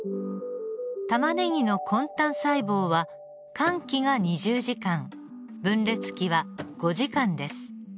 タマネギの根端細胞は間期が２０時間分裂期は５時間です。